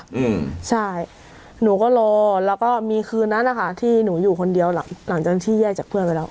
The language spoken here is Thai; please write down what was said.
อืมใช่หนูก็รอแล้วก็มีคืนนั้นนะคะที่หนูอยู่คนเดียวหลังจากที่แยกจากเพื่อนไปแล้ว